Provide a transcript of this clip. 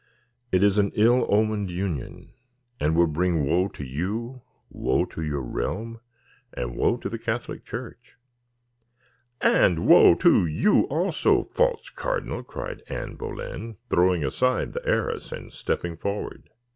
"It is an ill omened union, and will bring woe to you, woe to your realm, and woe to the Catholic Church." "And woe to you also, false cardinal," cried Anne Boleyn, throwing aside the arras, and stepping forward.